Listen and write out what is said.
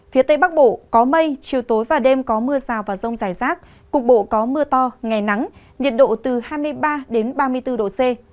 phía tây bắc bộ có mây chiều tối và đêm có mưa rào và rông rải rác cục bộ có mưa to ngày nắng nhiệt độ từ hai mươi ba ba mươi bốn độ c